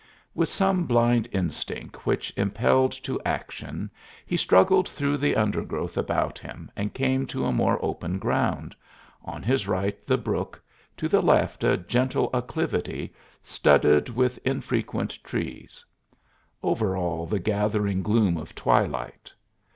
With some blind instinct which impelled to action he struggled through the undergrowth about him and came to a more open ground on his right the brook, to the left a gentle acclivity studded with infrequent trees; over all, the gathering gloom of twilight.